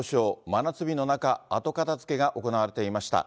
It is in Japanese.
真夏日の中、後片づけが行われていました。